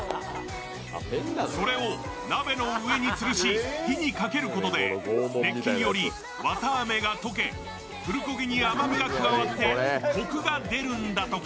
それを鍋の上につるし、火にかけることで、熱気により綿あめが溶け、プルコギに甘みが加わってコクが出るんだとか。